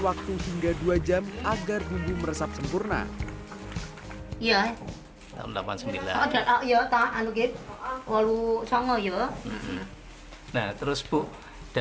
waktu hingga dua jam agar bumbu meresap sempurna